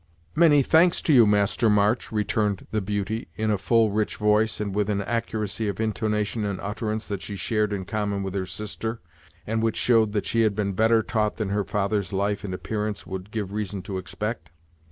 "Many thanks to you, Master March," returned the beauty, in a full, rich voice, and with an accuracy of intonation and utterance that she shared in common with her sister, and which showed that she had been better taught than her father's life and appearance would give reason to expect.